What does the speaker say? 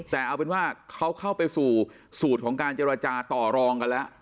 แต่เอาเป็นว่าเขาเข้าไปสู่สูตรของการเจรจาต่อรองกันแล้ว